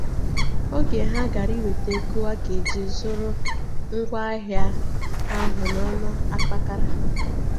oge ha gara iweta ego ọ ga-eji zụrụ ngwaahịa ahụ n'ọnụ akpakara.